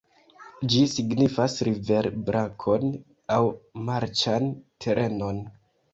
Ĝi signifas river-brakon aŭ marĉan terenon.